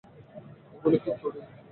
এগুলো কি চুড়ি?